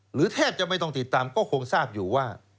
แทบจะไม่ต้องติดตามก็คงทราบอยู่ว่า